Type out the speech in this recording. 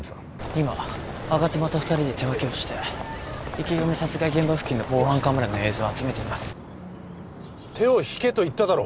今吾妻と二人で手分けをして池上殺害現場付近の防犯カメラの映像を集めています手を引けと言っただろ！